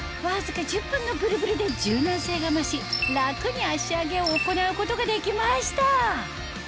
わずか１０分のブルブルで柔軟性が増し楽に足上げを行うことができました